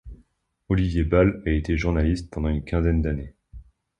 Olivier Bal a été journaliste pendant une quinzaine d'années.